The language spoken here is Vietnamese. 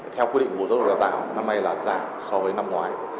theo quy định bộ giáo dục đào tạo năm nay là giảm so với năm ngoái